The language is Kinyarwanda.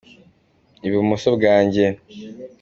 ibumoso bwanjye.